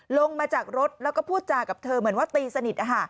ลงมาจากรถแล้วก็พูดจากับเธอเหมือนว่าตีสนิท